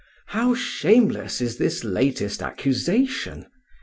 How shameless is this latest accusation!